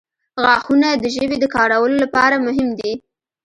• غاښونه د ژبې د کارولو لپاره مهم دي.